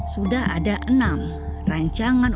sudah ada enam rancangan